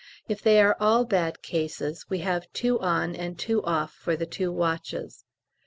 If they are all bad cases, we have two on and two off for the two watches.